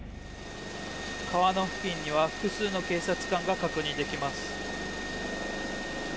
川の付近には複数の警察官が確認できます。